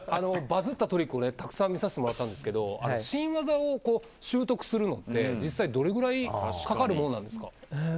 バズったトリックをたくさん見させてもらったんですけど新技を習得するのって実際どれぐらいかかるものなんですか？